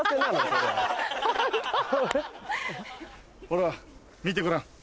ほら見てごらん。